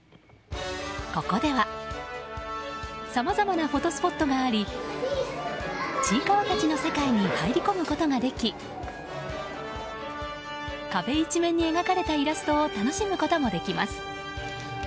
ここではさまざまなフォトスポットがありちいかわたちの世界に入り込むことができ壁一面に描かれたイラストを楽しむこともできます。